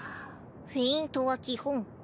フェイントは基本。